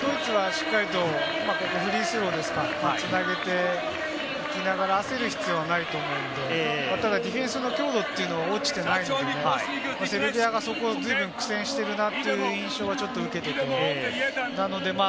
ドイツはしっかりと、ここフリースローですから、繋げていきながら、焦る必要はないと思うので、ただディフェンスの強度が落ちてないので、セルビアがそこをずいぶん苦戦しているなという印象が受けて取れます。